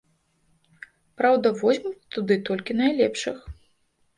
Праўда возьмуць туды толькі найлепшых.